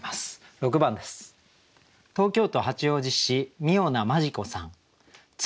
６番です。